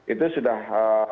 dua ribu delapan belas itu sudah